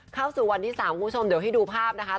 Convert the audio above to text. เข้าสู่วันที่๓คุณผู้ชมเดี๋ยวให้ดูภาพนะคะ